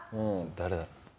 誰だ？